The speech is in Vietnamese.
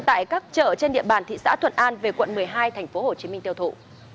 tại các chợ trên địa bàn thị xã thuận an về quận một mươi hai tp hcm tiêu thụ